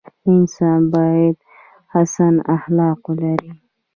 انسان باید حسن اخلاق ولري.